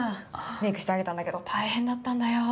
メイクしてあげたんだけど大変だったんだよ。